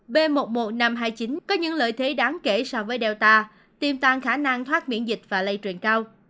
b một một năm trăm hai mươi chín có những lợi thế đáng kể so với delta tiêm tăng khả năng thoát miễn dịch và lây truyền cao